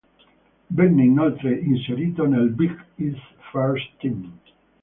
Venne inoltre inserito nel Big East's First Team.